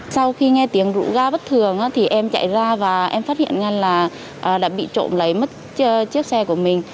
sau khi nghe tiếng rụ ga bất thường thì em chạy ra và em phát hiện ra là đã bị trộm lấy mất chiếc xe của mình